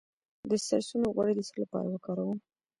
د سرسونو غوړي د څه لپاره وکاروم؟